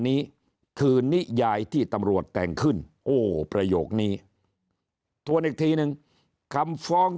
นี้คือนิยายที่ตำรวจแต่งขึ้นโอ้ประโยคนี้ทวนอีกทีนึงคำฟ้อง